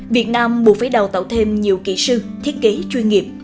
việt nam buộc phải đào tạo thêm nhiều kỹ sư thiết kế chuyên nghiệp